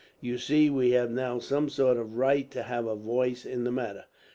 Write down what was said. You see, we have now some sort of right to have a voice in the matter.